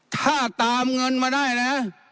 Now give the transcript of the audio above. ถ้าตามเงินมาได้นะ